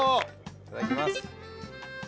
いただきます。